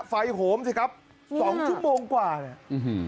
ไฟโหมสิครับนี่แหละสองชั่วโมงกว่าเนี่ย